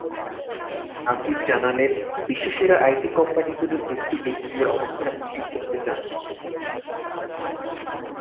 নাফিস জানালেন, বিশ্বসেরা আইটি কোম্পানিগুলোর একটিতে নিজের অবস্থান নিশ্চিত করতে চান তিনি।